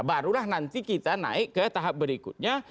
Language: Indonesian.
barulah nanti kita naik ke tahap berikutnya